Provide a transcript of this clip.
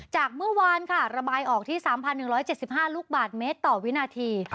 จากเมื่อวานค่ะระบายออกที่๓๑๗๕ลูกบาทเมตรต่อวินาที